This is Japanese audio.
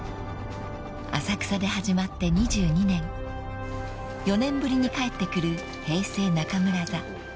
［浅草で始まって２２年４年ぶりに帰ってくる平成中村座］